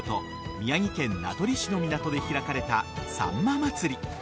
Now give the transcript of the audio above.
宮城県名取市の港で開かれたさんま祭り。